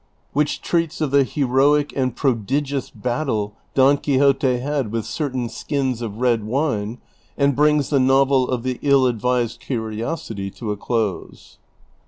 WHICH TREATS OF THE HEROIC AND PRODIGIOUS BATTLE DON QUIXOTE HAD WITH CERTAIN SKINS OF RED WINE, AND BRINGS THE NOVEL OF " THE ILL ADVISED CURIOSITY " TO A CLOSE.